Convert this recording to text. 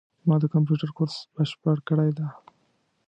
ما د کامپیوټر کورس بشپړ کړی ده